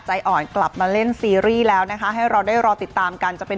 ใจอ่อนกลับมาเล่นซีรีส์แล้วนะคะให้เราได้รอติดตามกันจะเป็น